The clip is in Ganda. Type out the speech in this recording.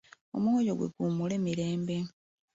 Omwoyo gwe guwummule mirembe.